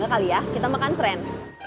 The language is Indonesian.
tiga kali ya kita makan keren